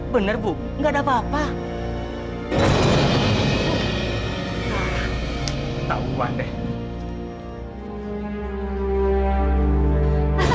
bener bu gak ada apa apa